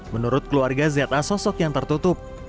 menurut keluarga za sosok yang tertutup